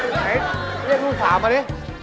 ไหนเรียกลูกสาวมาดิ